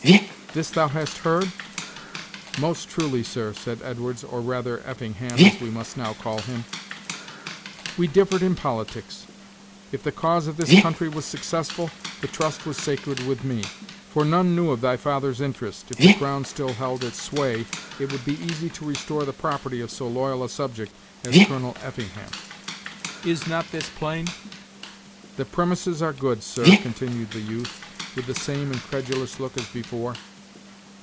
This thou hast heard?" "Most truly, sir," said Edwards, or rather Effingham as we must now call him. "We differed in politics. If the cause of this country was successful, the trust was sacred with me, for none knew of thy father's interest, if the crown still held its sway, it would be easy to restore the property of so loyal a subject as Colonel Effingham. Is not this plain?'" "The premises are good, sir," continued the youth, with the same incredulous look as before.